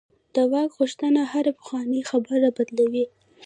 د واک غوښتنه هره پخوانۍ خبره بدلوي.